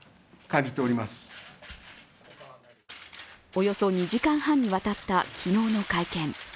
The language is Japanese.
およそ２時間半にわたった、昨日の会見。